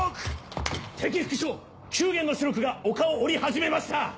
敵副将・宮元の主力が丘を下り始めました！